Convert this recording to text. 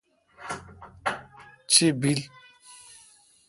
چے°بیل۔